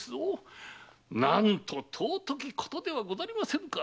何と尊きことではござりませぬか。